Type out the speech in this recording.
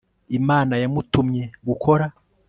imana yamutumye gukora